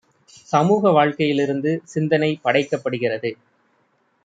சமூக வாழ்க்கையிலிருந்து சிந்தனை படைக்கப்படுகிறது.